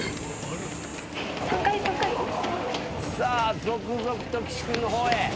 さあ続々と岸君の方へ。